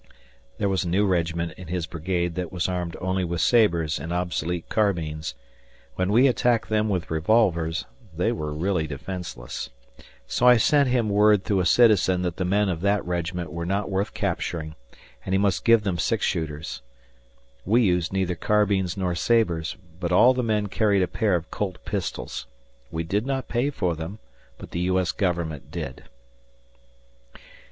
There was a new regiment in his brigade that was armed only with sabres and obsolete carbines. When we attacked them with revolvers, they were really defenseless. So I sent him word through a citizen that the men of that regiment were not worth capturing, and he must give them six shooters. We used neither carbines nor sabres, but all the men carried a pair of Colt pistols. We did not pay for them but the U. S. Government did.